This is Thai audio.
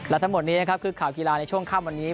และทั้งหมดนี้คือข่าวกีฬาในช่วงข้ามวันนี้